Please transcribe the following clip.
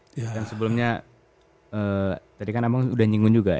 dan sebelumnya tadi kan abang sudah nyingun juga